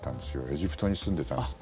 エジプトに住んでいたんです。